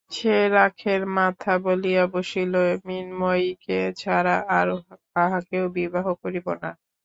সে রোখের মাথায় বলিয়া বসিল, মৃন্ময়ীকে ছাড়া আর কাহাকেও বিবাহ করিব না।